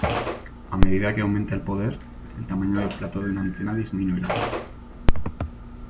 A medida que aumenta el poder, el tamaño del plato de una antena disminuirá.